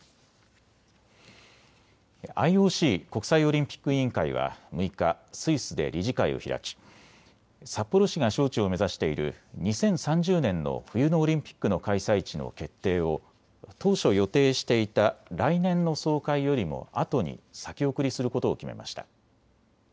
ＩＯＣ・国際オリンピック委員会は６日、スイスで理事会を開き札幌市が招致を目指している２０３０年の冬のオリンピックの開催地の決定を当初予定していた来年の総会よりもあとに先送りすることを決めました。